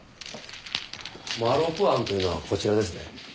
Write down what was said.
まろく庵というのはこちらですね？